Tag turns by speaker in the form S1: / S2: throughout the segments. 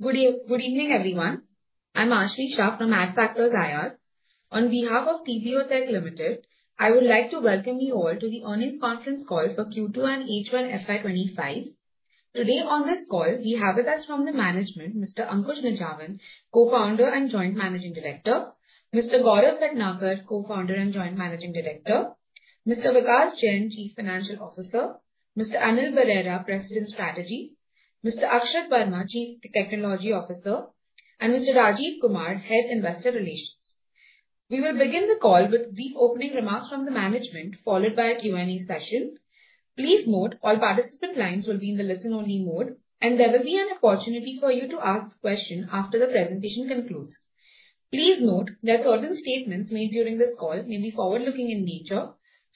S1: Good evening, everyone. I'm Ashmi Shah from Adfactors PR. On behalf of TBO Tek Limited, I would like to welcome you all to the earnings conference call for Q2 and H1 FY25. Today on this call, we have with us from the management, Mr. Ankush Nijhawan, Co-founder and Joint Managing Director, Mr. Gaurav Bhatnagar, Co-founder and Joint Managing Director, Mr. Vikas Jain, Chief Financial Officer, Mr. Anil Berera, President Strategy, Mr. Akshat Verma, Chief Technology Officer, and Mr. Rajiv Kumar, Head of Investor Relations. We will begin the call with the opening remarks from the management, followed by a Q&A session. Please note, all participant lines will be in the listen-only mode, and there will be an opportunity for you to ask a question after the presentation concludes. Please note that certain statements made during this call may be forward-looking in nature.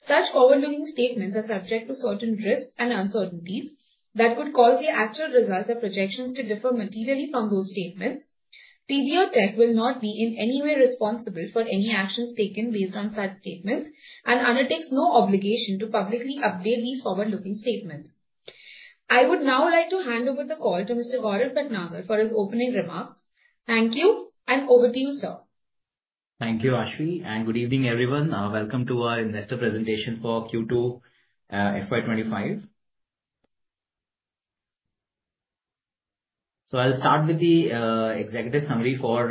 S1: Such forward-looking statements are subject to certain risks and uncertainties that could cause the actual results or projections to differ materially from those statements. TBO Tek will not be in any way responsible for any actions taken based on such statements and undertakes no obligation to publicly update these forward-looking statements. I would now like to hand over the call to Mr. Gaurav Bhatnagar for his opening remarks. Thank you, and over to you, sir.
S2: Thank you, Ashmi, and good evening, everyone. Welcome to our investor presentation for Q2 FY25. So I'll start with the executive summary for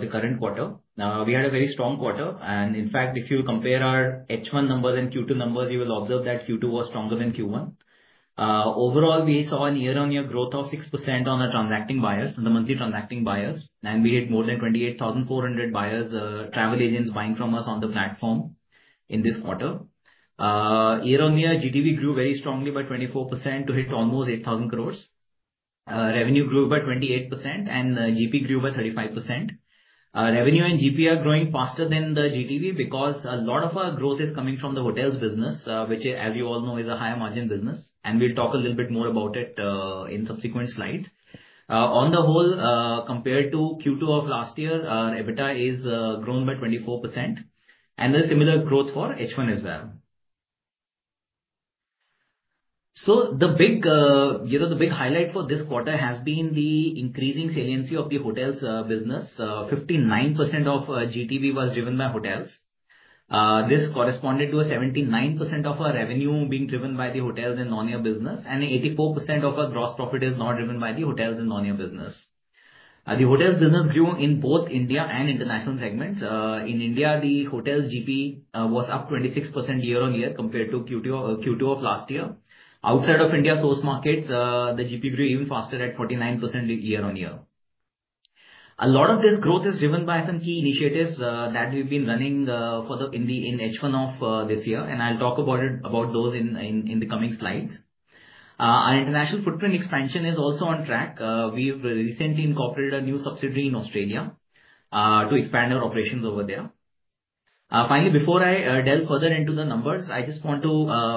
S2: the current quarter. We had a very strong quarter, and in fact, if you compare our H1 numbers and Q2 numbers, you will observe that Q2 was stronger than Q1. Overall, we saw a year-on-year growth of 6% on our transacting buyers, the monthly transacting buyers, and we hit more than 28,400 buyers, travel agents buying from us on the platform in this quarter. Year-on-year, GTV grew very strongly by 24% to hit almost 8,000 crores. Revenue grew by 28%, and GP grew by 35%. Revenue and GP are growing faster than the GTV because a lot of our growth is coming from the hotels business, which, as you all know, is a high-margin business, and we'll talk a little bit more about it in subsequent slides. On the whole, compared to Q2 of last year, our EBITDA has grown by 24%, and there is similar growth for H1 as well. So the big highlight for this quarter has been the increasing saliency of the hotels business. 59% of GTV was driven by hotels. This corresponded to 79% of our revenue being driven by the hotels and non-air business, and 84% of our gross profit is not driven by the hotels and non-air business. The hotels business grew in both India and international segments. In India, the hotels' GP was up 26% year-on-year compared to Q2 of last year. Outside of India source markets, the GP grew even faster at 49% year-on-year. A lot of this growth is driven by some key initiatives that we've been running in H1 of this year, and I'll talk about those in the coming slides. Our international footprint expansion is also on track. We've recently incorporated a new subsidiary in Australia to expand our operations over there. Finally, before I delve further into the numbers, I just want to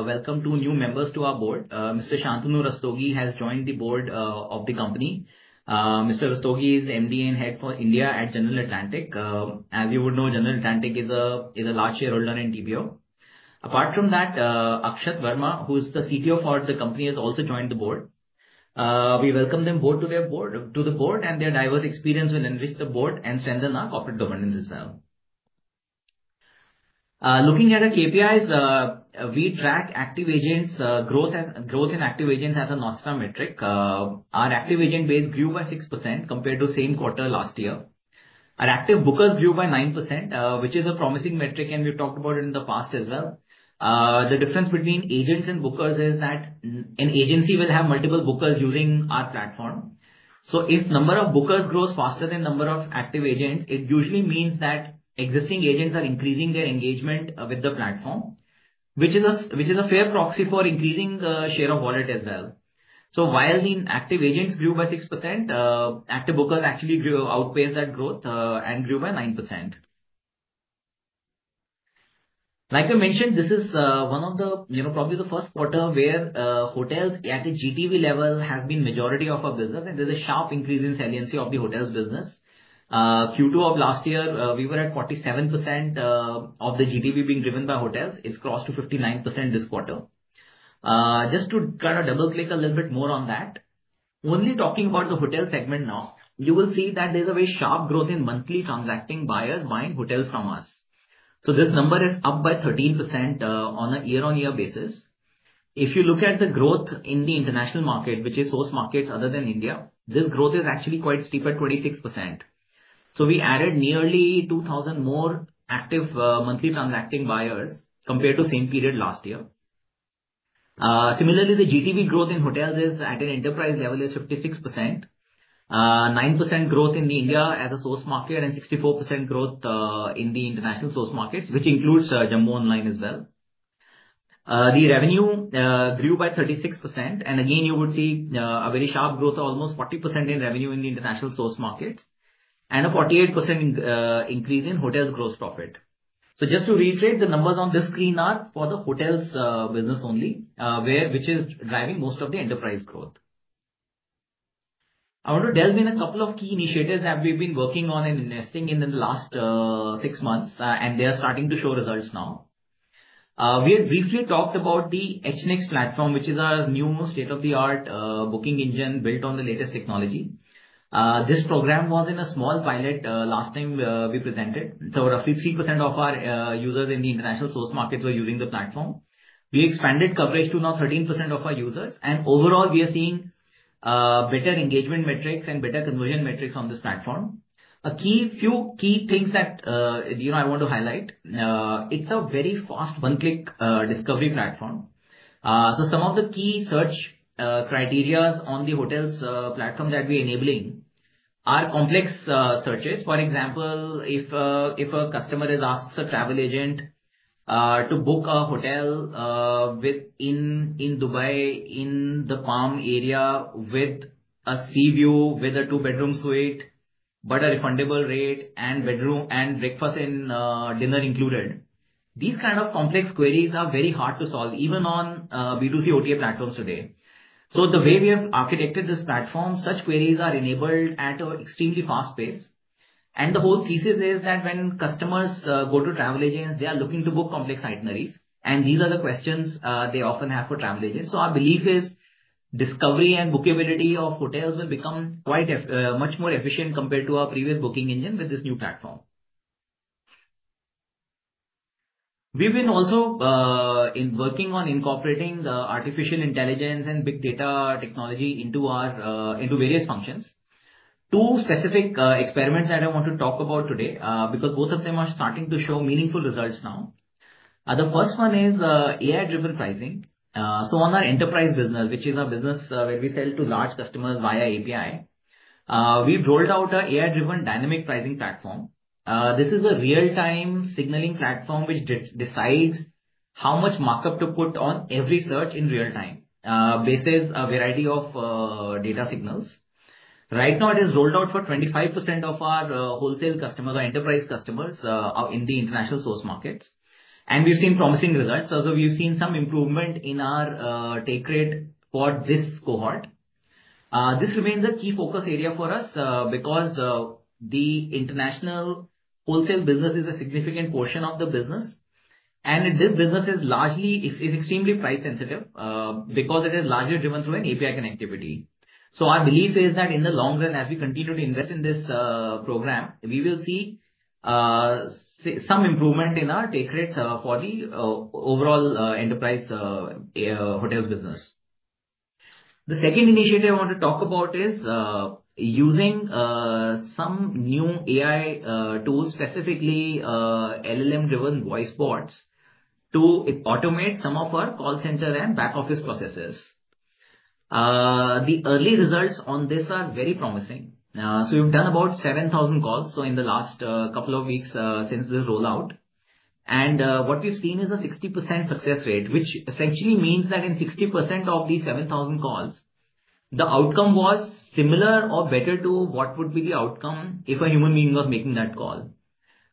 S2: welcome two new members to our board. Mr. Shantanu Rastogi has joined the board of the company. Mr. Rastogi is MD and head for India at General Atlantic. As you would know, General Atlantic is a large shareholder in TBO. Apart from that, Akshat Verma, who is the CTO for the company, has also joined the board. We welcome them both to the board and their diverse experience will enrich the board and strengthen our corporate governance as well. Looking at our KPIs, we track active agents' growth and active agents as a North Star metric. Our active agent base grew by 6% compared to the same quarter last year. Our active bookers grew by 9%, which is a promising metric, and we've talked about it in the past as well. The difference between agents and bookers is that an agency will have multiple bookers using our platform. So if the number of bookers grows faster than the number of active agents, it usually means that existing agents are increasing their engagement with the platform, which is a fair proxy for increasing the share of wallet as well. So while the active agents grew by 6%, active bookers actually outpaced that growth and grew by 9%. Like I mentioned, this is one of the, probably the first quarter where hotels, at a GTV level, have been the majority of our business, and there's a sharp increase in saliency of the hotels' business. Q2 of last year, we were at 47% of the GTV being driven by hotels. It's crossed to 59% this quarter. Just to kind of double-click a little bit more on that, only talking about the hotel segment now, you will see that there's a very sharp growth in monthly transacting buyers buying hotels from us. So this number is up by 13% on a year-on-year basis. If you look at the growth in the international market, which is source markets other than India, this growth is actually quite steep at 26%. So we added nearly 2,000 more active monthly transacting buyers compared to the same period last year. Similarly, the GTV growth in hotels at an enterprise level is 56%, 9% growth in the India as a source market, and 64% growth in the international source markets, which includes Jumbo Online as well. The revenue grew by 36%, and again, you would see a very sharp growth of almost 40% in revenue in the international source markets and a 48% increase in hotels' gross profit. So just to reiterate, the numbers on this screen are for the hotels' business only, which is driving most of the enterprise growth. I want to delve in a couple of key initiatives that we've been working on and investing in in the last six months, and they are starting to show results now. We had briefly talked about the H-Next platform, which is our new state-of-the-art booking engine built on the latest technology. This program was in a small pilot last time we presented, so roughly 3% of our users in the international source markets were using the platform. We expanded coverage to now 13% of our users, and overall, we are seeing better engagement metrics and better conversion metrics on this platform. A few key things that I want to highlight: it's a very fast one-click discovery platform. So some of the key search criteria on the hotels' platform that we are enabling are complex searches. For example, if a customer asks a travel agent to book a hotel in Dubai in the Palm Jumeirah with a sea view, with a two-bedroom suite, but a refundable rate and breakfast and dinner included, these kinds of complex queries are very hard to solve, even on B2C OTA platforms today. So the way we have architected this platform, such queries are enabled at an extremely fast pace. And the whole thesis is that when customers go to travel agents, they are looking to book complex itineraries, and these are the questions they often have for travel agents. So our belief is discovery and bookability of hotels will become much more efficient compared to our previous booking engine with this new platform. We've been also working on incorporating artificial intelligence and big data technology into various functions. Two specific experiments that I want to talk about today because both of them are starting to show meaningful results now. The first one is AI-driven pricing. So on our enterprise business, which is a business where we sell to large customers via API, we've rolled out an AI-driven dynamic pricing platform. This is a real-time signaling platform which decides how much markup to put on every search in real-time based on a variety of data signals. Right now, it is rolled out for 25% of our wholesale customers, our enterprise customers in the international source markets, and we've seen promising results. Also, we've seen some improvement in our take rate for this cohort. This remains a key focus area for us because the international wholesale business is a significant portion of the business, and this business is extremely price-sensitive because it is largely driven through an API connectivity, so our belief is that in the long run, as we continue to invest in this program, we will see some improvement in our take rates for the overall enterprise hotels business. The second initiative I want to talk about is using some new AI tools, specifically LLM-driven voice bots to automate some of our call center and back office processes. The early results on this are very promising. So we've done about 7,000 calls in the last couple of weeks since this rollout. And what we've seen is a 60% success rate, which essentially means that in 60% of these 7,000 calls, the outcome was similar or better to what would be the outcome if a human being was making that call.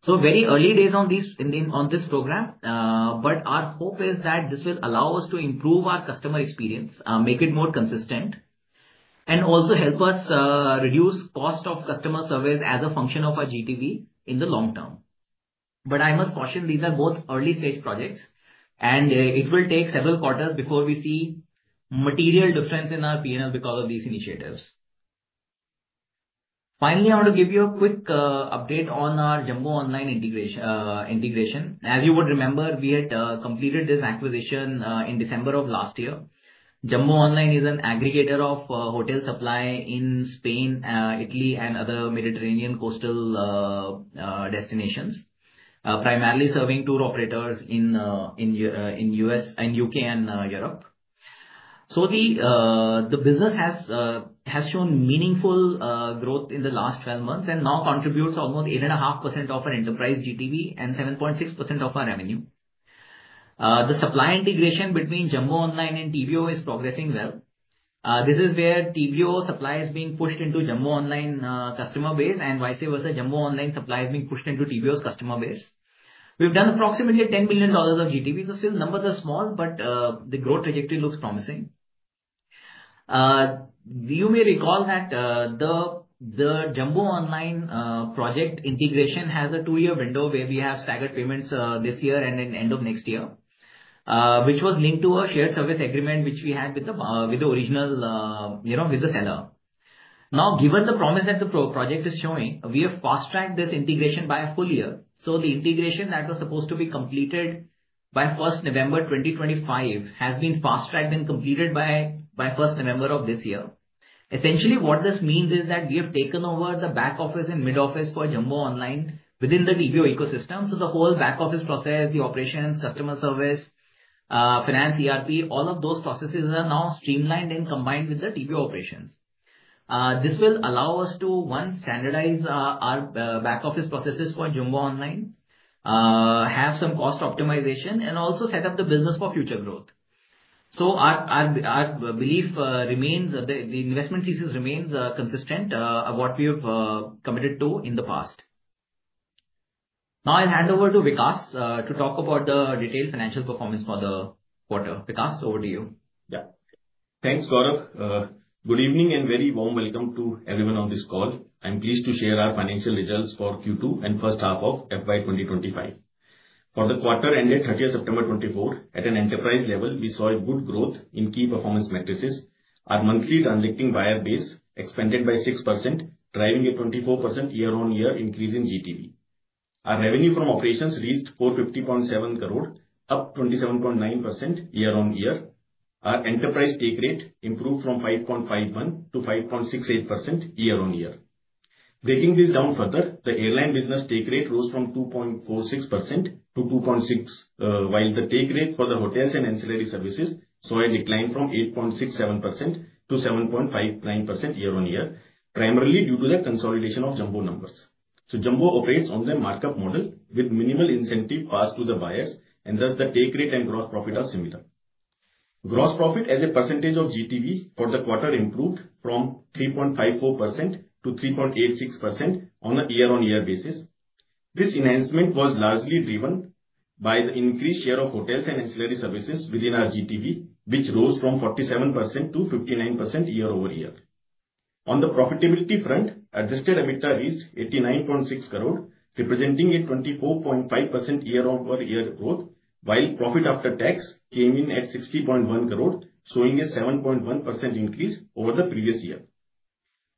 S2: So very early days on this program, but our hope is that this will allow us to improve our customer experience, make it more consistent, and also help us reduce the cost of customer service as a function of our GTV in the long term. But I must caution, these are both early-stage projects, and it will take several quarters before we see a material difference in our P&L because of these initiatives. Finally, I want to give you a quick update on our Jumbo Online integration. As you would remember, we had completed this acquisition in December of last year. Jumbo Online is an aggregator of hotel supply in Spain, Italy, and other Mediterranean coastal destinations, primarily serving tour operators in the U.K. and Europe. So the business has shown meaningful growth in the last 12 months and now contributes almost 8.5% of our enterprise GTV and 7.6% of our revenue. The supply integration between Jumbo Online and TBO is progressing well. This is where TBO supply is being pushed into Jumbo Online customer base and vice versa, Jumbo Online supply is being pushed into TBO's customer base. We've done approximately $10 million of GTV. So still, numbers are small, but the growth trajectory looks promising. You may recall that the Jumbo Online project integration has a two-year window where we have staggered payments this year and at the end of next year, which was linked to a shared service agreement which we had with the original seller. Now, given the promise that the project is showing, we have fast-tracked this integration by a full year. So the integration that was supposed to be completed by 1 November 2025 has been fast-tracked and completed by 1 November of this year. Essentially, what this means is that we have taken over the back office and mid-office for Jumbo Online within the TBO ecosystem. So the whole back office process, the operations, customer service, finance, ERP, all of those processes are now streamlined and combined with the TBO operations. This will allow us to, one, standardize our back office processes for Jumbo Online, have some cost optimization, and also set up the business for future growth, so our belief remains, the investment thesis remains consistent of what we have committed to in the past. Now, I'll hand over to Vikas to talk about the detailed financial performance for the quarter. Vikas, over to you.
S3: Yeah. Thanks, Gaurav. Good evening and very warm welcome to everyone on this call. I'm pleased to share our financial results for Q2 and first half of FY 2025. For the quarter ended 30 September 2024, at an enterprise level, we saw a good growth in key performance metrics. Our monthly transacting buyer base expanded by 6%, driving a 24% year-on-year increase in GTV. Our revenue from operations reached 450.7 crore, up 27.9% year-on-year. Our enterprise take rate improved from 5.51% to 5.68% year-on-year. Breaking this down further, the airline business take rate rose from 2.46%-2.6%, while the take rate for the hotels and ancillary services saw a decline from 8.67%-7.59% year-on-year, primarily due to the consolidation of Jumbo numbers. So Jumbo operates on the markup model with minimal incentive passed to the buyers, and thus the take rate and gross profit are similar. Gross profit as a percentage of GTV for the quarter improved from 3.54%-3.86% on a year-on-year basis. This enhancement was largely driven by the increased share of hotels and ancillary services within our GTV, which rose from 47%-59% year-over-year. On the profitability front, Adjusted EBITDA reached 89.6 crore, representing a 24.5% year-over-year growth, while profit after tax came in at 60.1 crore, showing a 7.1% increase over the previous year.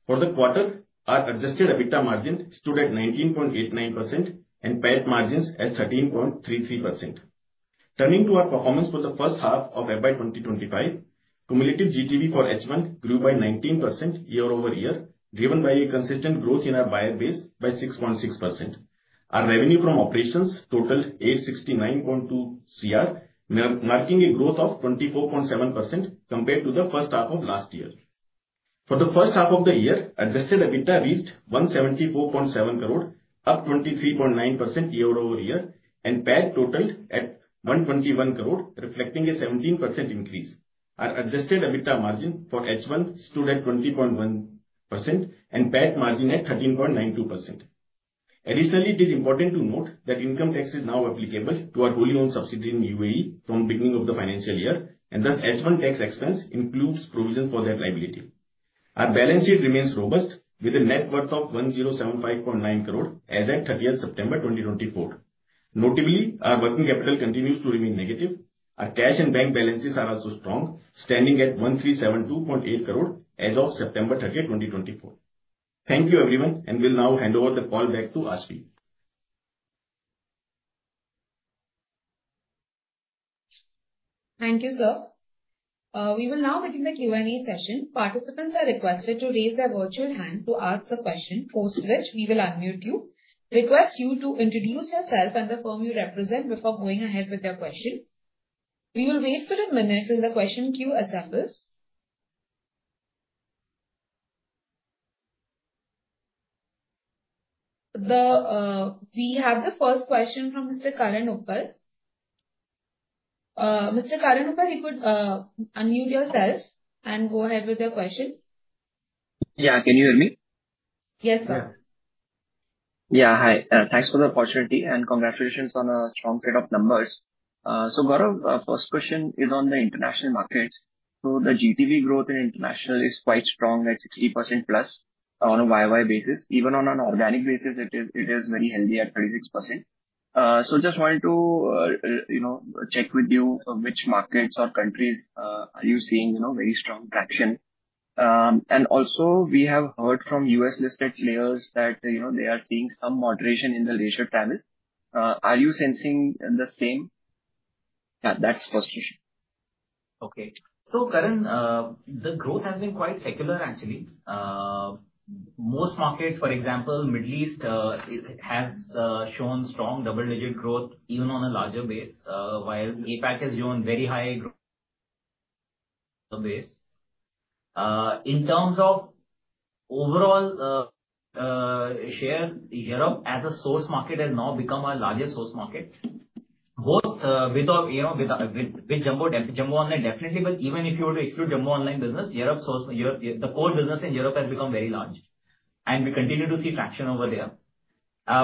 S3: For the quarter, our adjusted EBITDA margin stood at 19.89% and PAT margins at 13.33%. Turning to our performance for the first half of FY 2025, cumulative GTV for H1 grew by 19% year-over-year, driven by a consistent growth in our buyer base by 6.6%. Our revenue from operations totaled 869.2 crore, marking a growth of 24.7% compared to the first half of last year. For the first half of the year, adjusted EBITDA reached 174.7 crore, up 23.9% year-over-year, and PAT totaled at 121 crore, reflecting a 17% increase. Our adjusted EBITDA margin for H1 stood at 20.1% and PAT margin at 13.92%. Additionally, it is important to note that income tax is now applicable to our wholly-owned subsidiary in UAE from the beginning of the financial year, and thus H1 tax expense includes provision for that liability. Our balance sheet remains robust with a net worth of 1075.9 crore as of 30 September 2024. Notably, our working capital continues to remain negative. Our cash and bank balances are also strong, standing at INR 1372.8 crore as of September 30, 2024. Thank you, everyone, and we'll now hand over the call back to Ashmi.
S1: Thank you, sir. We will now begin the Q&A session. Participants are requested to raise their virtual hand to ask the question, post which we will unmute you. Request you to introduce yourself and the firm you represent before going ahead with your question. We will wait for a minute till the question queue assembles. We have the first question from Mr. Karan Uppal. Mr. Karan Uppal, you could unmute yourself and go ahead with your question. Yeah, can you hear me? Yes, sir. Yeah, hi. Thanks for the opportunity and congratulations on a strong set of numbers. So, Gaurav, our first question is on the international markets. So, the GTV growth in international is quite strong at 60% plus on a YoY basis. Even on an organic basis, it is very healthy at 36%. So, just wanted to check with you which markets or countries are you seeing very strong traction? And also, we have heard from U.S.-listed players that they are seeing some moderation in the leisure travel. Are you sensing the same? Yeah, that's the first question.
S2: Okay. So, Karan, the growth has been quite secular, actually. Most markets, for example, Middle East, have shown strong double-digit growth even on a larger base, while APAC has shown very high growth. In terms of overall share, Europe as a source market has now become our largest source market. Both with Jumbo Online, definitely, but even if you were to exclude Jumbo Online business, the core business in Europe has become very large, and we continue to see traction over there.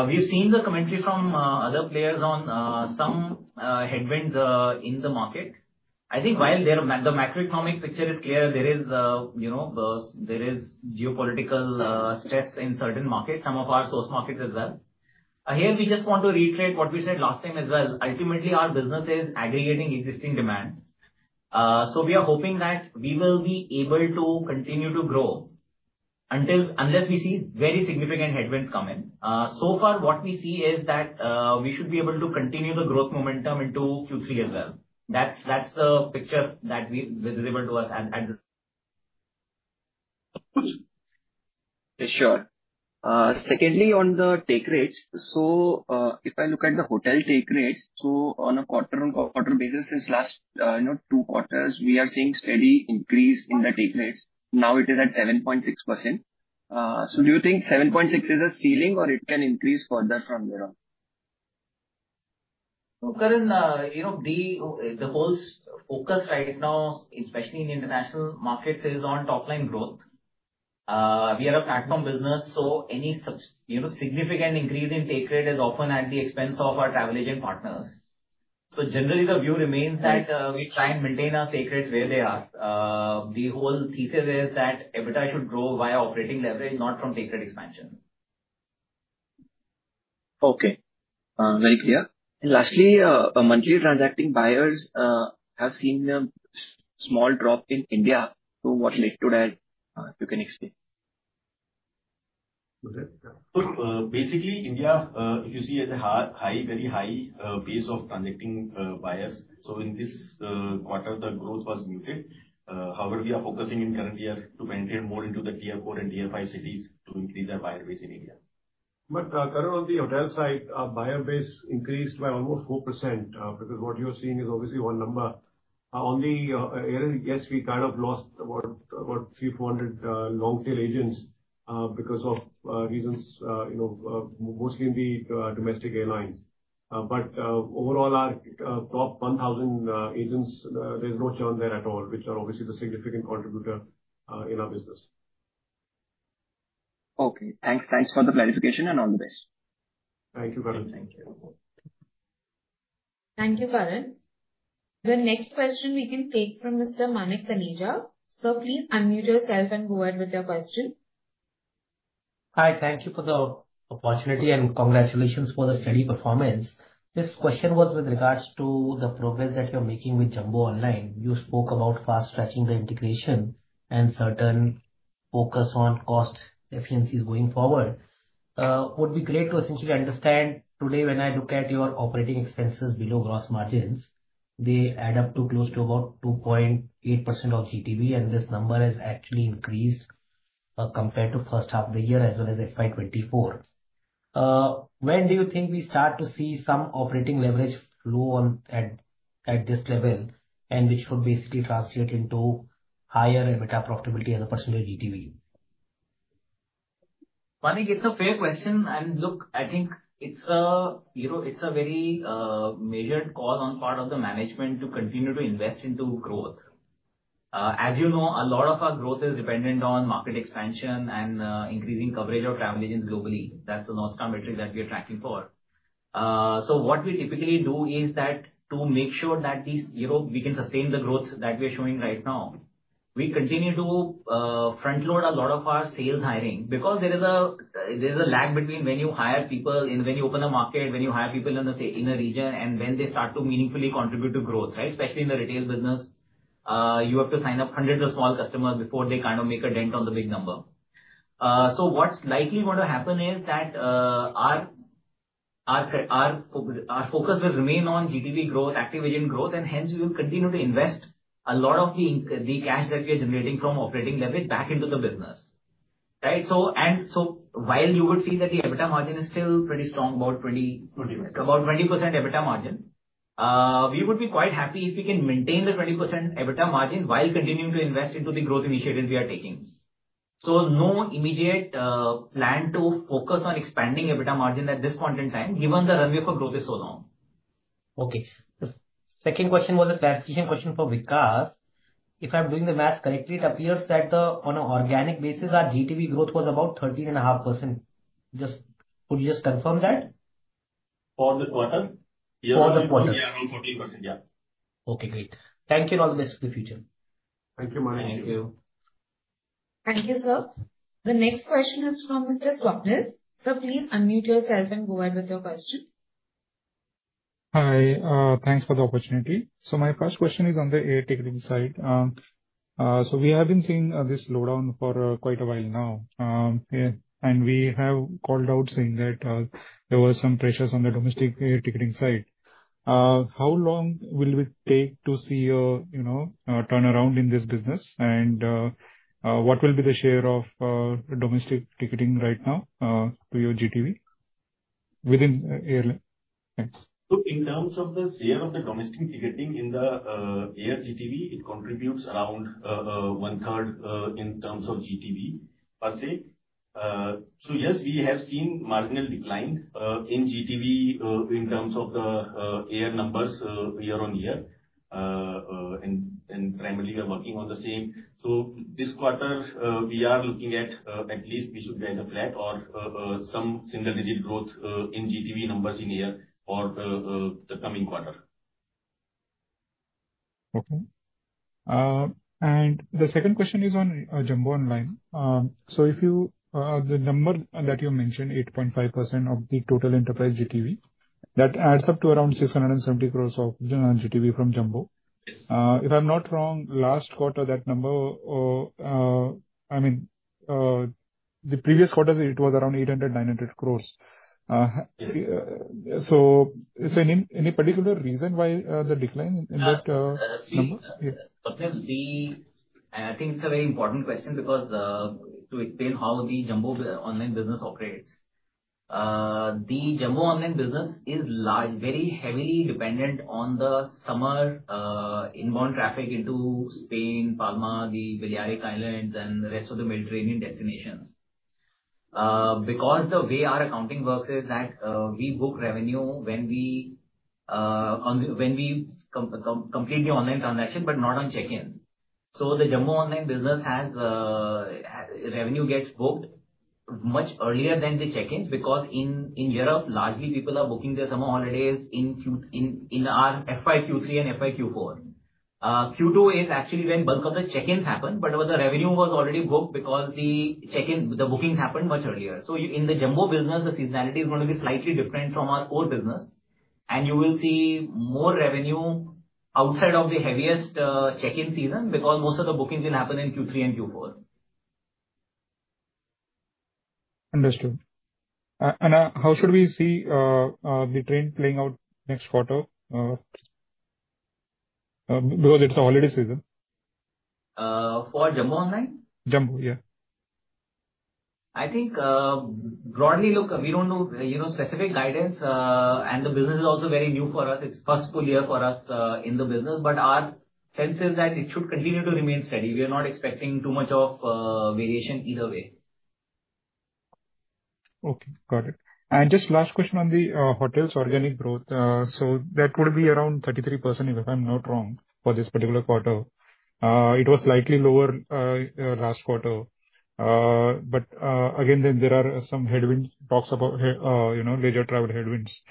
S2: We've seen the commentary from other players on some headwinds in the market. I think while the macroeconomic picture is clear, there is geopolitical stress in certain markets, some of our source markets as well. Here, we just want to reiterate what we said last time as well. Ultimately, our business is aggregating existing demand, so we are hoping that we will be able to continue to grow unless we see very significant headwinds come in, so far what we see is that we should be able to continue the growth momentum into Q3 as well. That's the picture that is visible to us at this point. Sure. Secondly, on the take rates, so if I look at the hotel take rates, so on a quarter-on-quarter basis since last two quarters, we are seeing a steady increase in the take rates. Now it is at 7.6%. So, do you think 7.6% is a ceiling or it can increase further from there on? So, Karan, the whole focus right now, especially in international markets, is on top-line growth. We are a platform business, so any significant increase in take rate is often at the expense of our travel agent partners. So, generally, the view remains that we try and maintain our take rates where they are. The whole thesis is that EBITDA should grow via operating leverage, not from take rate expansion. Okay. Very clear. And lastly, monthly transacting buyers have seen a small drop in India. So, what led to that? You can explain.
S3: Basically, India, if you see, has a very high base of transacting buyers. So, in this quarter, the growth was muted. However, we are focusing in current year to venture more into the Tier 4 and Tier 5 cities to increase our buyer base in India. But, Karan, on the hotel side, our buyer base increased by almost 4% because what you're seeing is obviously one number. On the area, yes, we kind of lost about 300-400 long-tail agents because of reasons, mostly in the domestic airlines. But overall, our top 1,000 agents, there's no churn there at all, which are obviously the significant contributor in our business. Okay. Thanks. Thanks for the clarification and all the best. Thank you, Karan.
S2: Thank you.
S1: Thank you, Karan. The next question we can take from Mr. Manik Taneja. Sir, please unmute yourself and go ahead with your question. Hi. Thank you for the opportunity and congratulations for the steady performance. This question was with regards to the progress that you're making with Jumbo Online. You spoke about fast-tracking the integration and certain focus on cost efficiencies going forward. It would be great to essentially understand today when I look at your operating expenses below gross margins, they add up to close to about 2.8% of GTV, and this number has actually increased compared to the first half of the year as well as FY 2024. When do you think we start to see some operating leverage flow at this level, and it should basically translate into higher EBITDA profitability as a percentage of GTV?
S2: Manik, it's a fair question. Look, I think it's a very measured call on the part of the management to continue to invest into growth. As you know, a lot of our growth is dependent on market expansion and increasing coverage of travel agents globally. That's the North Star metric that we are tracking for. So, what we typically do is that to make sure that we can sustain the growth that we are showing right now, we continue to front-load a lot of our sales hiring because there is a lag between when you hire people, when you open a market, when you hire people in a region, and when they start to meaningfully contribute to growth, right? Especially in the retail business, you have to sign up hundreds of small customers before they kind of make a dent on the big number. So, what's likely going to happen is that our focus will remain on GTV growth, active agent growth, and hence we will continue to invest a lot of the cash that we are generating from operating leverage back into the business, right? And so, while you would see that the EBITDA margin is still pretty strong, about 20% EBITDA margin, we would be quite happy if we can maintain the 20% EBITDA margin while continuing to invest into the growth initiatives we are taking. So, no immediate plan to focus on expanding EBITDA margin at this point in time, given the runway for growth is so long. Okay. Second question was a clarification question for Vikas. If I'm doing the math correctly, it appears that on an organic basis, our GTV growth was about 13.5%. Could you just confirm that? For the quarter?
S3: For the quarter. Yeah, around 14%, yeah. Okay, great. Thank you and all the best for the future.
S2: Thank you, Manik.
S3: Thank you.
S1: Thank you, sir. The next question is from Mr. Swapnil. Sir, please unmute yourself and go ahead with your question. Hi. Thanks for the opportunity. So, my first question is on the air ticketing side. So, we have been seeing this slowdown for quite a while now. And we have called out saying that there were some pressures on the domestic air ticketing side. How long will it take to see a turnaround in this business? And what will be the share of domestic ticketing right now to your GTV within airline?
S3: In terms of the share of the domestic ticketing in the air GTV, it contributes around one-third in terms of GTV per se. So, yes, we have seen marginal decline in GTV in terms of the air numbers year-on-year. And primarily, we are working on the same. So, this quarter, we are looking at at least we should get a flat or some single-digit growth in GTV numbers in the year for the coming quarter. Okay. And the second question is on Jumbo Online. So, the number that you mentioned, 8.5% of the total enterprise GTV, that adds up to around 670 crores of GTV from Jumbo. If I'm not wrong, last quarter, that number, I mean, the previous quarter, it was around 800-900 crores. So, is there any particular reason why the decline in that number?
S2: I think it's a very important question because to explain how the Jumbo Online business operates, the Jumbo Online business is very heavily dependent on the summer inbound traffic into Spain, Palma, the Balearic Islands, and the rest of the Mediterranean destinations. Because the way our accounting works is that we book revenue when we complete the online transaction, but not on check-in. So, the Jumbo Online business has revenue that gets booked much earlier than the check-ins because in Europe, largely, people are booking their summer holidays in our FY Q3 and FY Q4. Q2 is actually when bulk of the check-ins happen, but the revenue was already booked because the bookings happened much earlier. So, in the Jumbo business, the seasonality is going to be slightly different from our core business. And you will see more revenue outside of the heaviest check-in season because most of the bookings will happen in Q3 and Q4. Understood. And how should we see the trend playing out next quarter? Because it's the holiday season. For Jumbo Online? Jumbo, yeah. I think broadly, look, we don't know specific guidance, and the business is also very new for us. It's the first full year for us in the business, but our sense is that it should continue to remain steady. We are not expecting too much of variation either way. Okay. Got it. And just last question on the hotels' organic growth. So, that would be around 33%, if I'm not wrong, for this particular quarter. It was slightly lower last quarter. But again, there are some headwinds, talks about leisure travel headwinds.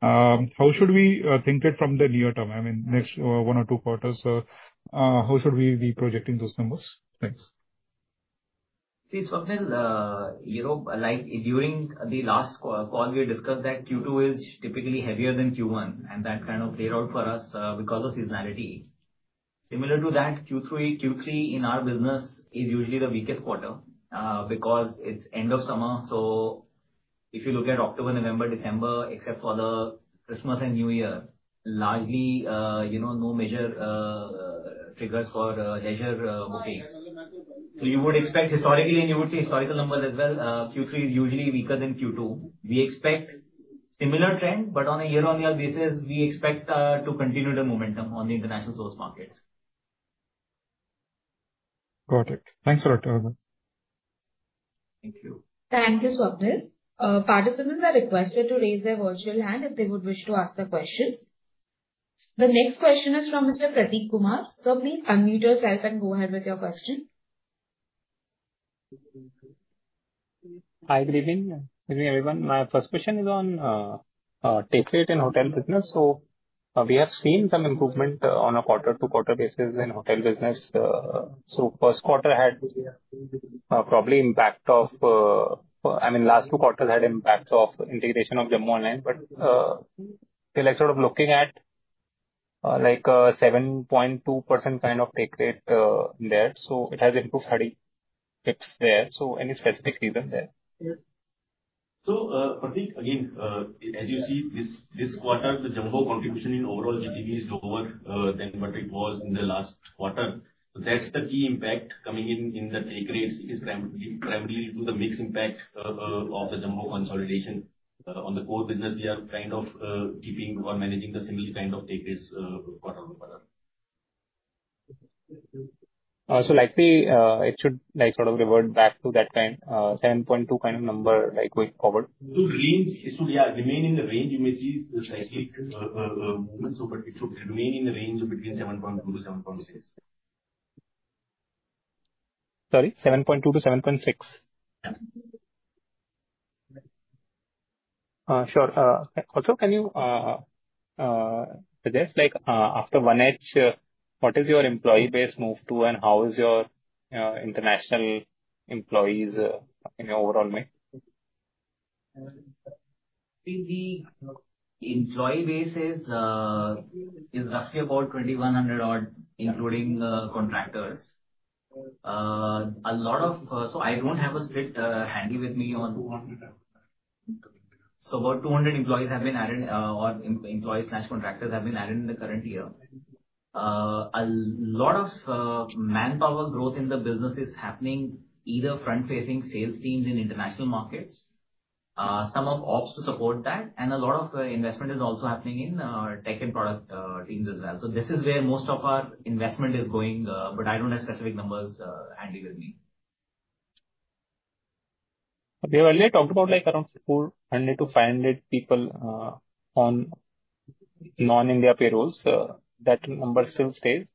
S2: How should we think it from the near term? I mean, next one or two quarters, how should we be projecting those numbers? Thanks. See, Swapnil, like during the last call, we discussed that Q2 is typically heavier than Q1, and that kind of played out for us because of seasonality. Similar to that, Q3 in our business is usually the weakest quarter because it's the end of summer. So, if you look at October, November, December, except for the Christmas and New Year, largely no major triggers for leisure bookings. So, you would expect historically, and you would see historical numbers as well, Q3 is usually weaker than Q2. We expect a similar trend, but on a year-on-year basis, we expect to continue the momentum on the international source markets. Got it. Thanks a lot everyone. Thank you.
S1: Thank you, Swapnil. Participants are requested to raise their virtual hand if they would wish to ask a question. The next question is from Mr. Prateek Kumar. Sir, please unmute yourself and go ahead with your question. Hi, good evening. Good evening, everyone. My first question is on take rate in hotel business. So, we have seen some improvement on a quarter-to-quarter basis in hotel business. So, first quarter had probably impact of, I mean, last two quarters had impact of integration of Jumbo Online, but we're sort of looking at like a 7.2% kind of take rate there. So, it has improved 30% there. So, any specific reason there?
S3: So, Prateek, again, as you see, this quarter, the Jumbo contribution in overall GTV is lower than what it was in the last quarter. That's the key impact coming in the take rates, primarily due to the mixed impact of the Jumbo consolidation on the core business. We are kind of keeping or managing the similar kind of take rates quarter over quarter. So, likely, it should sort of revert back to that 7.2% kind of number going forward. It should remain in the range. You may see the cyclic movement, but it should remain in the range between 7.2%-7.6%. Sorry? 7.2%-7.6%? Yeah Sure. Also, can you suggest after 1H, what is your employee base moved to, and how is your international employees in overall mix?
S2: See, the employee base is roughly about 2,100 odd, including contractors. A lot of, so I don't have a split handy with me on. So, about 200 employees have been added, or employees/contractors have been added in the current year. A lot of manpower growth in the business is happening either front-facing sales teams in international markets, some of ops to support that, and a lot of investment is also happening in tech and product teams as well. So, this is where most of our investment is going, but I don't have specific numbers handy with me. They have already talked about, like, around 400-500 people on non-India payrolls. That number still stays?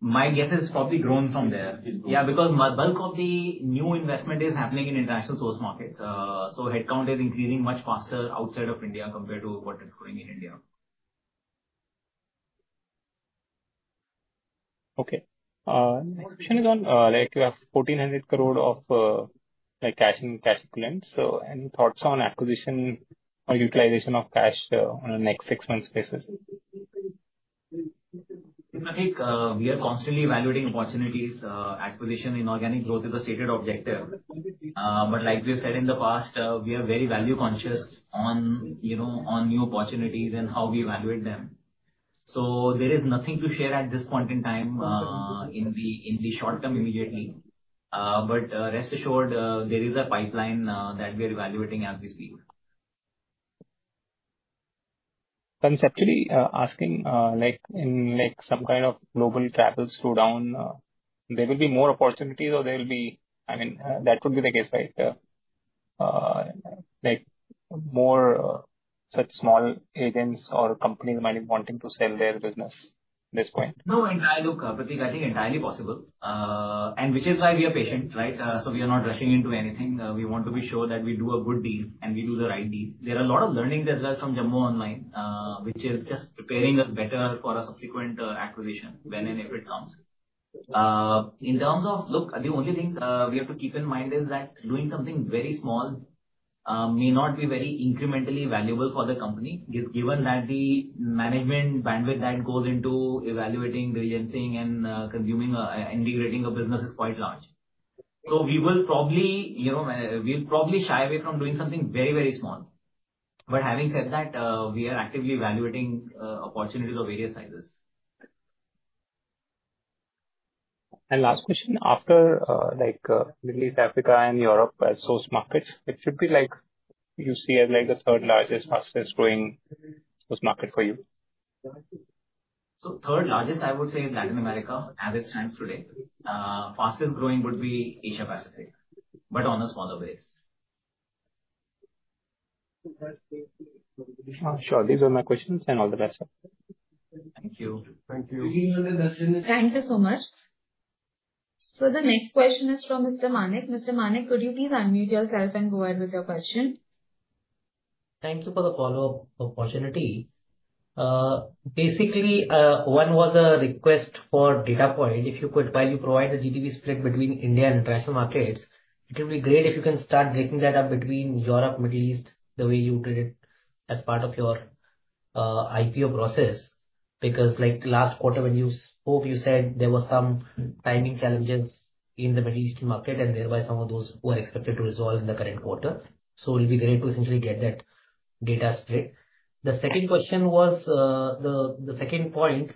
S2: My guess is probably grown from there. Yeah, because bulk of the new investment is happening in international source markets. So, headcount is increasing much faster outside of India compared to what it's growing in India. Okay. Next question is on, like, you have 1,400 crore of cash and cash equivalents. So, any thoughts on acquisition or utilization of cash on a next six months basis? Manik, we are constantly evaluating opportunities. Acquisition and organic growth is a stated objective. But like we've said in the past, we are very value-conscious on new opportunities and how we evaluate them. So, there is nothing to share at this point in time in the short term immediately. But rest assured, there is a pipeline that we are evaluating as we speak. Conceptually asking, like in some kind of global travel slowdown, there will be more opportunities or there will be, I mean, that would be the case, right? Like more such small agents or companies might be wanting to sell their business at this point. No, entirely look, Prateek, I think entirely possible. And which is why we are patient, right? So, we are not rushing into anything. We want to be sure that we do a good deal and we do the right deal. There are a lot of learnings as well from Jumbo Online, which is just preparing us better for a subsequent acquisition when and if it comes. In terms of, look, the only thing we have to keep in mind is that doing something very small may not be very incrementally valuable for the company, given that the management bandwidth that goes into evaluating, diligencing, and integrating a business is quite large. So, we will probably shy away from doing something very, very small. But having said that, we are actively evaluating opportunities of various sizes. And last question, after Middle East, Africa, and Europe as source markets, it should be like you see as like the third largest, fastest growing source market for you? So, third largest, I would say Latin America as it stands today. Fastest growing would be Asia-Pacific, but on a smaller base. Sure. These are my questions and all the best. Thank you.
S3: Thank you.
S1: Thank you so much. So, the next question is from Mr. Manik. Mr. Manik, could you please unmute yourself and go ahead with your question? Thank you for the follow-up opportunity. Basically, one was a request for data point. If you could, while you provide the GTV split between India and international markets, it would be great if you can start breaking that up between Europe, Middle East, the way you did it as part of your IPO process. Because like last quarter, when you spoke, you said there were some timing challenges in the Middle Eastern market, and thereby some of those were expected to resolve in the current quarter. So, it would be great to essentially get that data split. The second question was, the second point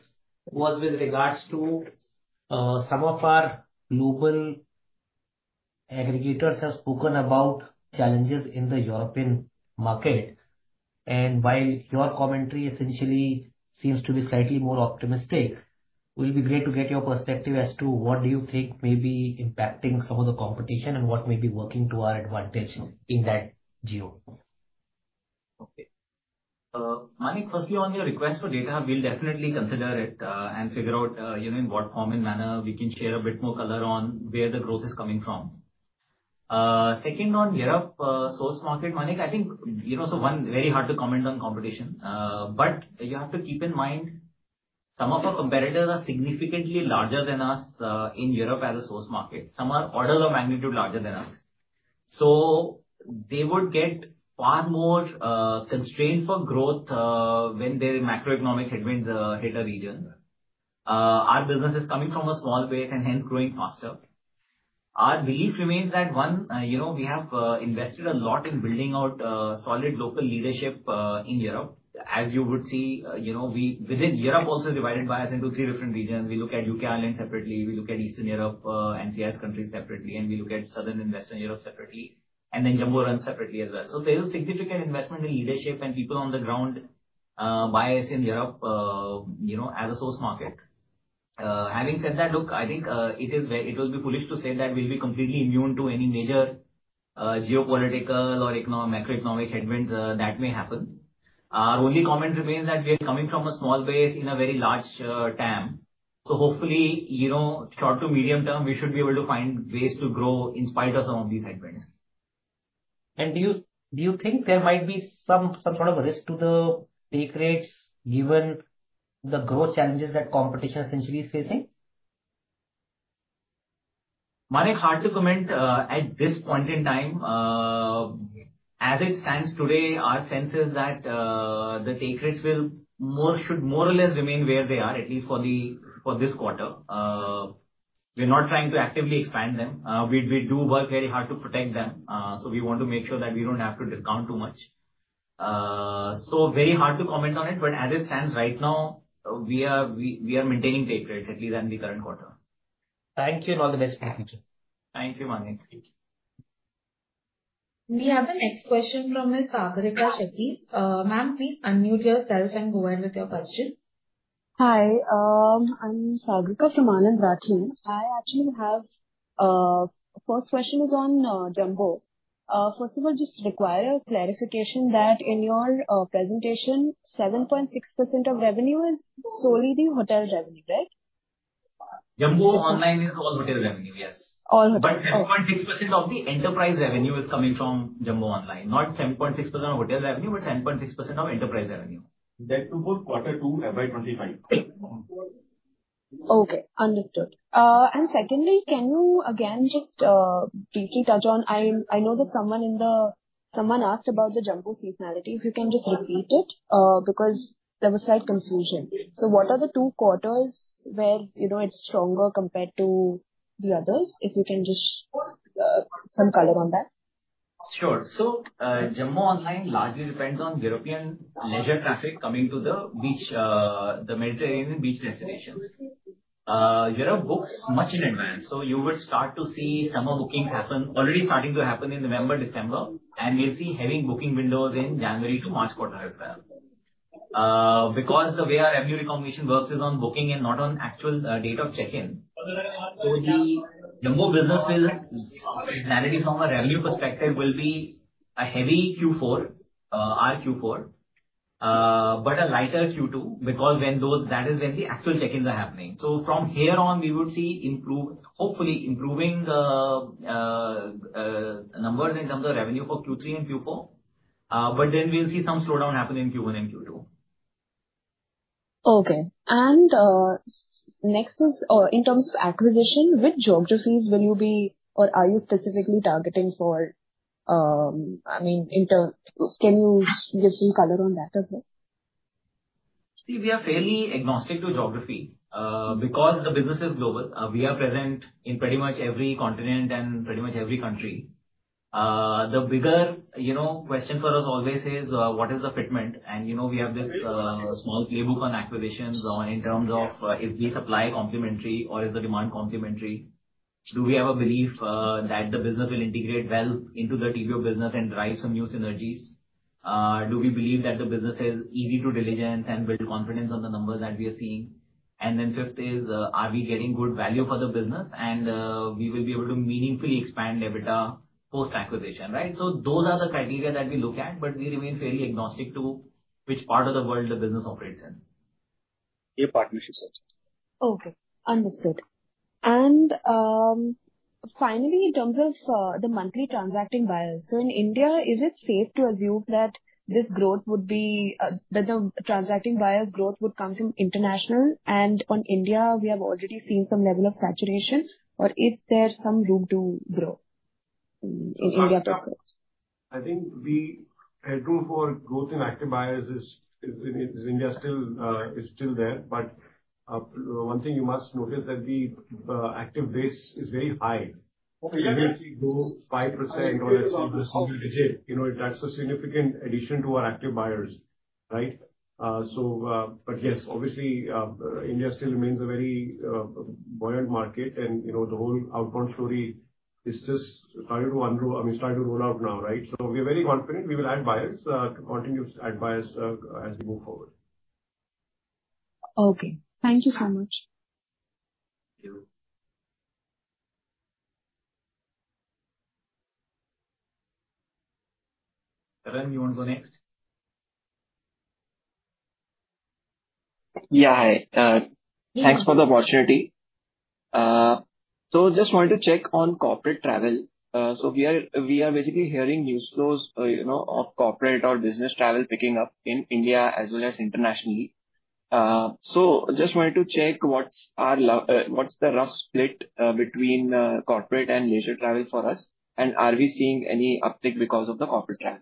S1: was with regards to some of our global aggregators have spoken about challenges in the European market. While your commentary essentially seems to be slightly more optimistic, it would be great to get your perspective as to what do you think may be impacting some of the competition and what may be working to our advantage in that geo.
S2: Okay. Manik, firstly, on your request for data, we'll definitely consider it and figure out in what form and manner we can share a bit more color on where the growth is coming from. Second, on Europe source market, Manik, I think, so it's very hard to comment on competition, but you have to keep in mind some of our competitors are significantly larger than us in Europe as a source market. Some are orders of magnitude larger than us. So, they would get far more constrained for growth when their macroeconomic headwinds hit a region. Our business is coming from a small base and hence growing faster. Our belief remains that one, we have invested a lot in building out solid local leadership in Europe. As you would see, within Europe also is divided by us into three different regions. We look at U.K., Ireland separately, we look at Eastern Europe and CIS countries separately, and we look at Southern and Western Europe separately, and then Jumbo runs separately as well. So, there is significant investment in leadership and people on the ground base in Europe as a source market. Having said that, look, I think it will be foolish to say that we'll be completely immune to any major geopolitical or macroeconomic headwinds that may happen. Our only comment remains that we are coming from a small base in a very large TAM. So, hopefully, short to medium term, we should be able to find ways to grow in spite of some of these headwinds. And do you think there might be some sort of risk to the take rates given the growth challenges that competition essentially is facing? Manik, hard to comment at this point in time. As it stands today, our sense is that the take rates should more or less remain where they are, at least for this quarter. We're not trying to actively expand them. We do work very hard to protect them. So, we want to make sure that we don't have to discount too much. So, very hard to comment on it, but as it stands right now, we are maintaining take rates at least in the current quarter. Thank you and all the best for the future. Thank you, Manik.
S3: Thank you.
S1: We have the next question from Ms. Sagarika Chetty. Ma'am, please unmute yourself and go ahead with your question.
S4: Hi. I'm Sagarika from Anand Rathi. I actually have a first question is on Jumbo. First of all, just require a clarification that in your presentation, 7.6% of revenue is solely the hotel revenue, right?
S2: Jumbo Online is all hotel revenue, yes. All hotel revenue. But 7.6% of the enterprise revenue is coming from Jumbo Online. Not 7.6% of hotel revenue, but 7.6% of enterprise revenue. That's for quarter two FY25.
S4: Okay. Understood. And secondly, can you again just briefly touch on, I know that someone asked about the Jumbo seasonality. If you can just repeat it because there was slight confusion. So, what are the two quarters where it's stronger compared to the others? If you can just put some color on that.
S2: Sure. Jumbo Online largely depends on European leisure traffic coming to the Mediterranean beach destinations. Europe books much in advance. You would start to see some of the bookings already starting to happen in November, December, and we'll see heavy booking windows in January to March quarter as well. Because the way our revenue recognition works is on booking and not on actual date of check-in, so the Jumbo business, clearly from a revenue perspective, will be a heavy Q4, FY Q4, but a lighter Q2 because that is when the actual check-ins are happening. From here on, we would see hopefully improving numbers in terms of revenue for Q3 and Q4, but then we'll see some slowdown happen in Q1 and Q2.
S4: Okay. And next is in terms of acquisition, which geographies will you be or are you specifically targeting for? I mean, can you give some color on that as well?
S2: See, we are fairly agnostic to geography because the business is global. We are present in pretty much every continent and pretty much every country. The bigger question for us always is, what is the fitment? And we have this small playbook on acquisitions in terms of if we supply complementary or if the demand complementary. Do we have a belief that the business will integrate well into the TBO business and drive some new synergies? Do we believe that the business is easy to diligence and build confidence on the numbers that we are seeing? And then fifth is, are we getting good value for the business? And we will be able to meaningfully expand EBITDA post-acquisition, right? Those are the criteria that we look at, but we remain fairly agnostic to which part of the world the business operates in. Yeah, partnerships.
S4: Okay. Understood. And finally, in terms of the monthly transacting buyers, so in India, is it safe to assume that this growth would be that the transacting buyers' growth would come from international? And on India, we have already seen some level of saturation, or is there some room to grow in India per se?
S3: I think the headroom for growth in active buyers is India still there, but one thing you must notice that the active base is very high. You may see grow 5% or a single digit. That's a significant addition to our active buyers, right? So, but yes, obviously, India still remains a very buoyant market, and the whole outbound story is just starting to roll out now, right? So, we're very confident we will add buyers, continue to add buyers as we move forward.
S4: Okay. Thank you so much.
S3: Thank you.
S2: Karan, you want to go next? Yeah. Thanks for the opportunity. So, just wanted to check on corporate travel. We are basically hearing news flows of corporate or business travel picking up in India as well as internationally. Just wanted to check what's the rough split between corporate and leisure travel for us, and are we seeing any uptick because of the corporate travel?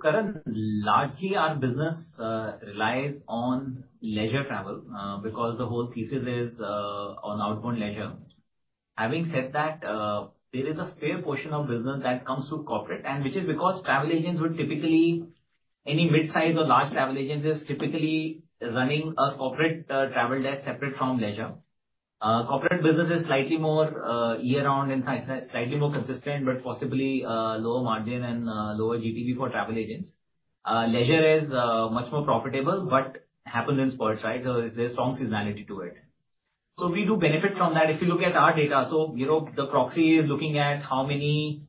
S2: Currently, largely our business relies on leisure travel because the whole thesis is on outbound leisure. Having said that, there is a fair portion of business that comes through corporate, which is because travel agents would typically, any mid-size or large travel agents is typically running a corporate travel desk separate from leisure. Corporate business is slightly more year-round and slightly more consistent, but possibly lower margin and lower GTV for travel agents. Leisure is much more profitable, but happens in spurts, right? So, there's strong seasonality to it. So, we do benefit from that. If you look at our data, so the proxy is looking at how many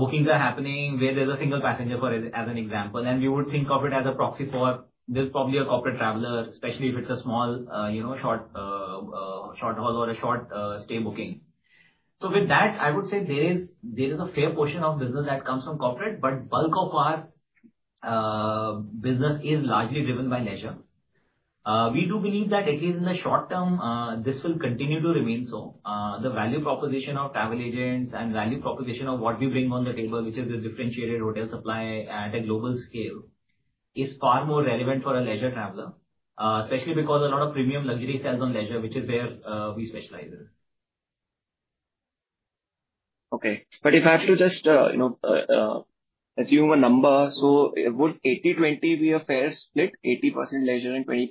S2: bookings are happening, where there's a single passenger as an example, and we would think of it as a proxy for there's probably a corporate traveler, especially if it's a small short-haul or a short-stay booking. So, with that, I would say there is a fair portion of business that comes from corporate, but bulk of our business is largely driven by leisure. We do believe that at least in the short term, this will continue to remain so. The value proposition of travel agents and value proposition of what we bring on the table, which is the differentiated hotel supply at a global scale, is far more relevant for a leisure traveler, especially because a lot of premium luxury sells on leisure, which is where we specialize in. Okay. But if I have to just assume a number, so would 80-20 be a fair split, 80% leisure and 20%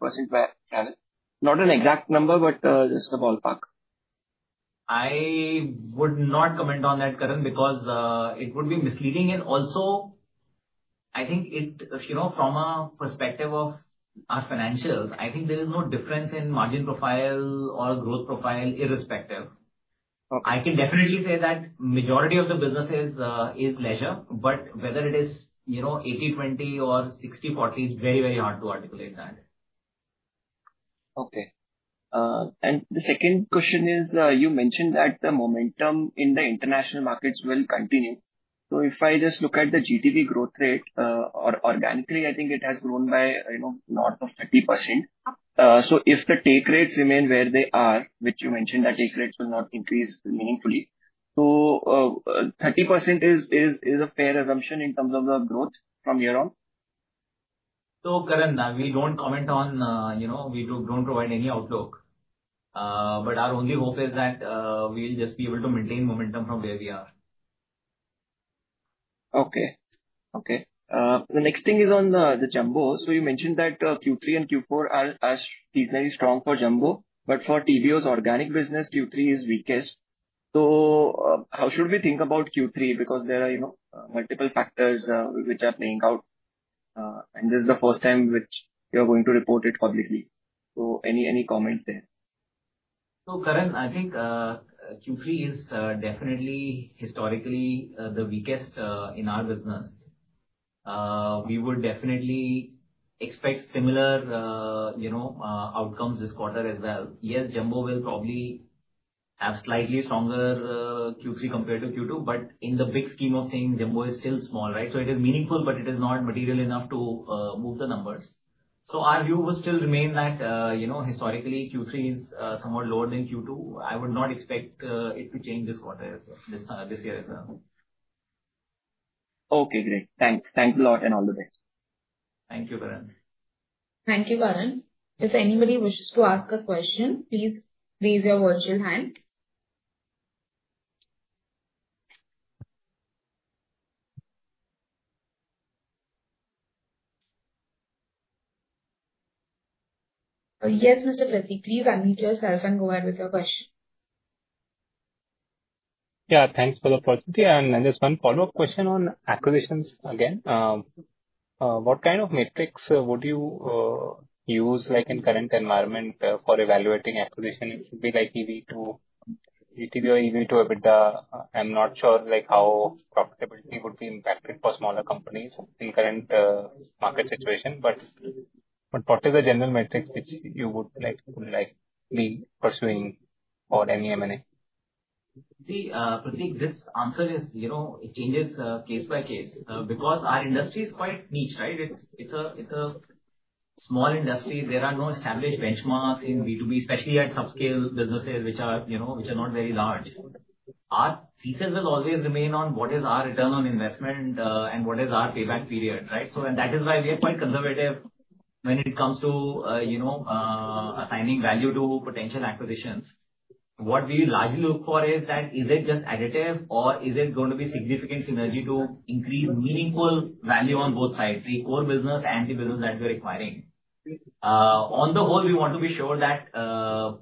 S2: travel? Not an exact number, but just a ballpark. I would not comment on that, Karan, because it would be misleading. Also, I think from a perspective of our financials, I think there is no difference in margin profile or growth profile irrespective. I can definitely say that majority of the business is leisure, but whether it is 80-20 or 60-40 is very, very hard to articulate that. Okay. The second question is, you mentioned that the momentum in the international markets will continue. So, if I just look at the GTV growth rate, organically, I think it has grown by north of 30%. So, if the take rates remain where they are, which you mentioned that take rates will not increase meaningfully, so 30% is a fair assumption in terms of the growth from here on? So, Karan, we don't comment on. We don't provide any outlook. But our only hope is that we'll just be able to maintain momentum from where we are. Okay. Okay. The next thing is on the Jumbo. So, you mentioned that Q3 and Q4 are seasonally strong for Jumbo, but for TBO's organic business, Q3 is weakest. So, how should we think about Q3? Because there are multiple factors which are playing out, and this is the first time which you're going to report it publicly. So, any comment there? So, Karan, I think Q3 is definitely historically the weakest in our business. We would definitely expect similar outcomes this quarter as well. Yes, Jumbo will probably have slightly stronger Q3 compared to Q2, but in the big scheme of things, Jumbo is still small, right? So, it is meaningful, but it is not material enough to move the numbers. So, our view would still remain that historically, Q3 is somewhat lower than Q2. I would not expect it to change this quarter as well, this year as well. Okay. Great. Thanks. Thanks a lot and all the best. Thank you, Karan.
S1: Thank you, Karan. If anybody wishes to ask a question, please raise your virtual hand. Yes, Mr. Prateek, please unmute yourself and go ahead with your question. Yeah. Thanks for the opportunity. And just one follow-up question on acquisitions again. What kind of metrics would you use in current environment for evaluating acquisition? It should be like EBITDA, GTV, or EBITDA. I'm not sure how profitability would be impacted for smaller companies in current market situation, but what is the general metrics which you would likely be pursuing for any M&A?
S2: See, Prateek, this answer changes case by case because our industry is quite niche, right? It's a small industry. There are no established benchmarks in B2B, especially at subscale businesses which are not very large. Our thesis will always remain on what is our return on investment and what is our payback period, right? So, and that is why we are quite conservative when it comes to assigning value to potential acquisitions. What we largely look for is that is it just additive or is it going to be significant synergy to increase meaningful value on both sides, the core business and the business that we are acquiring? On the whole, we want to be sure that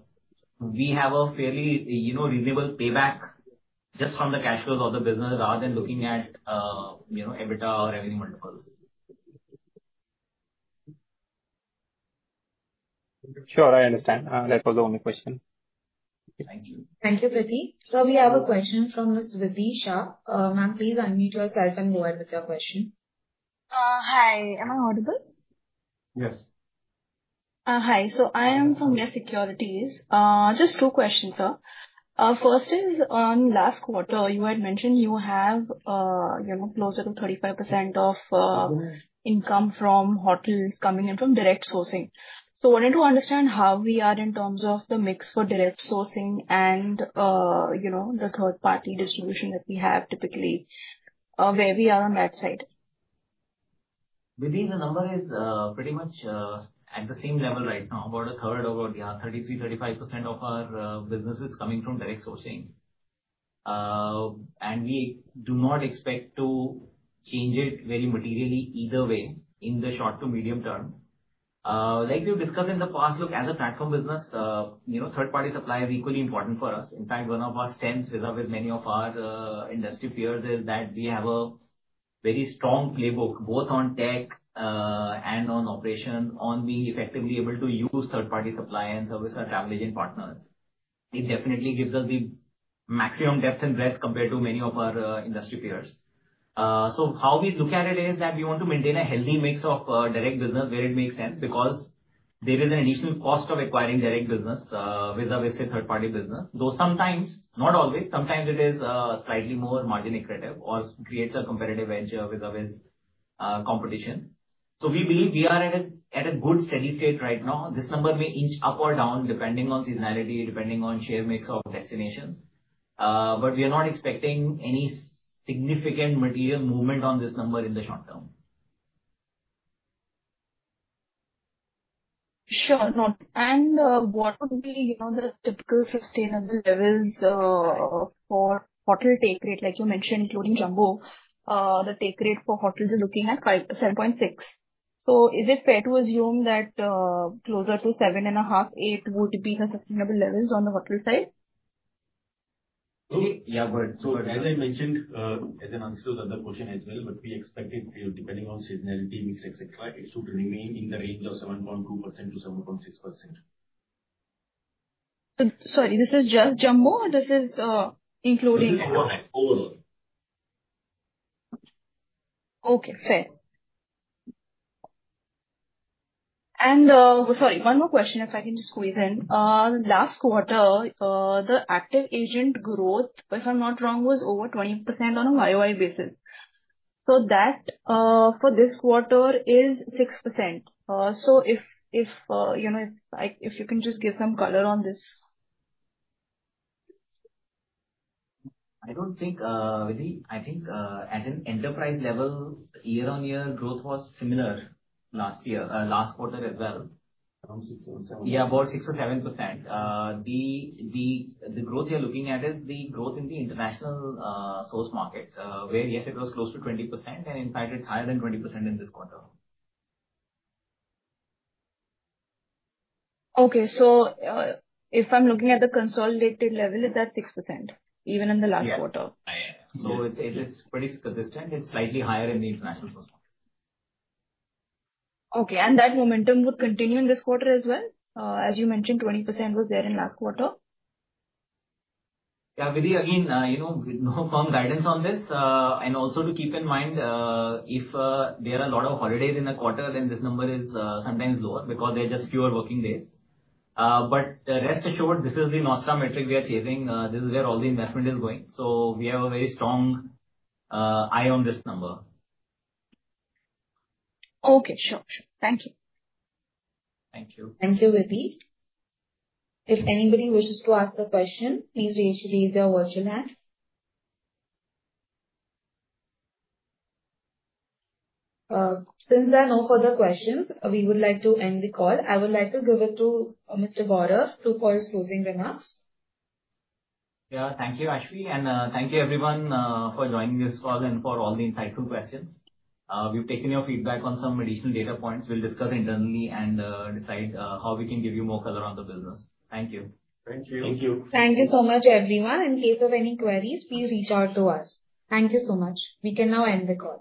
S2: we have a fairly reasonable payback just from the cash flows of the business rather than looking at EBITDA or revenue multiples. Sure. I understand. That was the only question. Thank you.
S1: Thank you, Prateek. So, we have a question from Ms. Vidisha. Ma'am, please unmute yourself and go ahead with your question. Hi. Am I audible? Yes. Hi. So, I am from Net Securities. Just two questions, sir. First is, on last quarter, you had mentioned you have closer to 35% of income from hotels coming in from direct sourcing. I wanted to understand how we are in terms of the mix for direct sourcing and the third-party distribution that we have typically, where we are on that side.
S2: Maybe the number is pretty much at the same level right now, about a third, about 33%-35% of our business is coming from direct sourcing. We do not expect to change it very materially either way in the short to medium term. Like we've discussed in the past, look, as a platform business, third-party supply is equally important for us. In fact, one of our strengths with many of our industry peers is that we have a very strong playbook, both on tech and on operations, on being effectively able to use third-party supply and service our travel agent partners. It definitely gives us the maximum depth and breadth compared to many of our industry peers. So, how we look at it is that we want to maintain a healthy mix of direct business where it makes sense because there is an additional cost of acquiring direct business with a third-party business. Though sometimes, not always, sometimes it is slightly more margin-accretive or creates a competitive edge with competition. So, we believe we are at a good steady state right now. This number may inch up or down depending on seasonality, depending on share mix of destinations. But we are not expecting any significant material movement on this number in the short term. Sure. And what would be the typical sustainable levels for hotel take rate, like you mentioned, including Jumbo? The take rate for hotels is looking at 7.6%. So, is it fair to assume that closer to 7.5%-8% would be the sustainable levels on the hotel side?
S3: Yeah, but as I mentioned, as an answer to the other question as well, but we expect it depending on seasonality, mix, etc., it should remain in the range of 7.2%-7.6%. Sorry, this is just Jumbo or this is including? Overall. Overall. Okay. Fair. And sorry, one more question if I can just squeeze in. Last quarter, the active agent growth, if I'm not wrong, was over 20% on a YoY basis. So that for this quarter is 6%. So, if you can just give some color on this.
S2: I don't think, Vidi. I think at an enterprise level, year-on-year growth was similar last quarter as well. Around 6%-7%. Yeah, about 6%-7%. The growth we are looking at is the growth in the international source markets, where yes, it was close to 20%, and in fact, it's higher than 20% in this quarter. Okay. So, if I'm looking at the consolidated level, is that 6% even in the last quarter? Yeah. Yeah. So, it is pretty consistent. It's slightly higher in the international source market. Okay. And that momentum would continue in this quarter as well? As you mentioned, 20% was there in last quarter. Yeah, Vidi, again, with no firm guidance on this. And also to keep in mind, if there are a lot of holidays in the quarter, then this number is sometimes lower because there are just fewer working days. But rest assured, this is the North Star metric we are chasing. This is where all the investment is going. So, we have a very strong eye on this number. Okay. Sure. Sure. Thank you. Thank you.
S1: Thank you, Vithisha. If anybody wishes to ask a question, please raise your virtual hand. Since there are no further questions, we would like to end the call. I would like to give it to Mr. Gaurav for his closing remarks.
S2: Yeah. Thank you, Ashmi. And thank you, everyone, for joining this call and for all the insightful questions. We've taken your feedback on some additional data points. We'll discuss internally and decide how we can give you more color on the business. Thank you.
S3: Thank you. Thank you.
S1: Thank you so much, everyone. In case of any queries, please reach out to us. Thank you so much. We can now end the call.